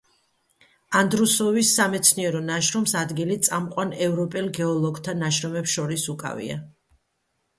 ანდრუსოვის სამეცნიერო ნაშრომს ადგილი წამყვან ევროპელ გეოლოგთა ნაშრომებს შორის უკავია.